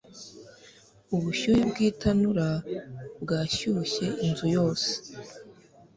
Ubushyuhe bwitanura bwashyushye inzu yose.